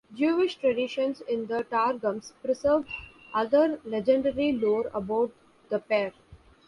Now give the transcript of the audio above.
Jewish traditions in the Targums preserve other legendary lore about the pair.